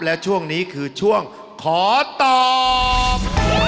และช่วงนี้คือช่วงขอตอบ